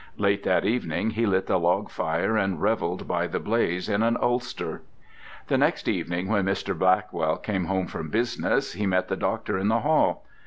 Late that evening he lit the log fire and revelled by the blaze in an ulster. The next evening when Mr. Blackwell came home from business he met the doctor in the hall.